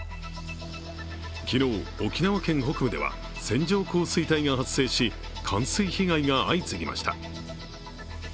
昨日、沖縄県北部では線状降水帯が発生し、冠水被害が相次ぎました。